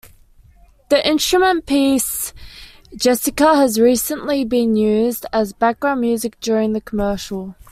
The instrumental piece "Jessica" has recently been used as background music during the commercial.